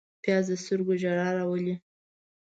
پیاز د سترګو ژړا راولي